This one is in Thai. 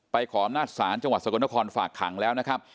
ไปของหน้าศาลจังหวัดสกนขอร์ศฝากขังแล้วนะครับ